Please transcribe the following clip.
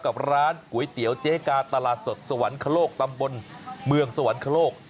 กับร้านก๋วยเตี๋ยวเจ๊กาตลาดสดสวรรคโลกตำบลเมืองสวรรคโลก